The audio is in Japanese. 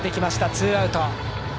ツーアウト。